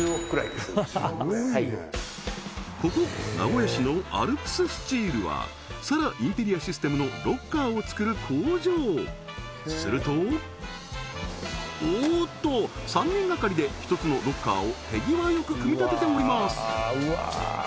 ここ名古屋市のアルプススチールはサラインテリアシステムのロッカーを作る工場するとおっと３人がかりで１つのロッカーを手際よく組み立てております